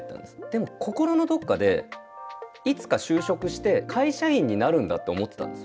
でも心のどこかでいつか就職して会社員になるんだって思ってたんです。